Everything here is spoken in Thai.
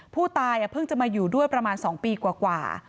ผู้ตายเพิ่งจะมาอยู่ด้วยประมาณ๒ปีกว่า